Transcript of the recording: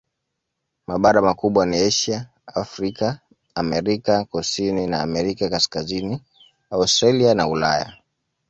Mabara makubwa ni Asia, Afrika, Amerika Kusini na Amerika Kaskazini, Australia na Ulaya.